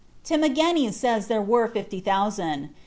Timagenes says they were fifty thousand.